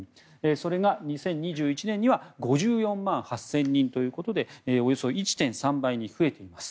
それが２０２１年には５４万８０００人ということでおよそ１．３倍に増えています。